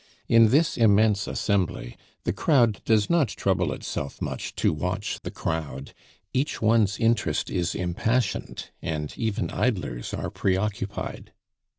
In this immense assembly the crowd does not trouble itself much to watch the crowd; each one's interest is impassioned, and even idlers are preoccupied.